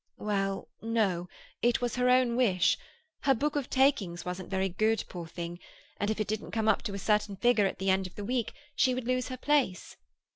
"Well, no, it was her own wish. Her "book of takings" wasn't very good, poor thing, and if it didn't come up to a certain figure at the end of the week she would lose her place.